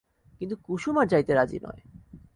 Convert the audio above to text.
কিন্তু কুসুম আর যাইতে রাজি নয়।